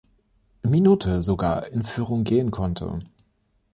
Minute sogar in Führung gehen konnte.